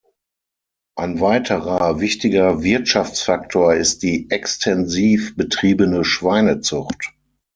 Ein weiterer wichtiger Wirtschaftsfaktor ist die extensiv betriebene Schweinezucht.